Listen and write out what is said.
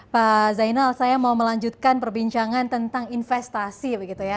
pak zainal saya mau melanjutkan perbincangan tentang investasi begitu ya